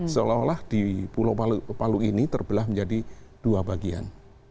seolah olah di pulau palu ini terbelah menjadi dua bagian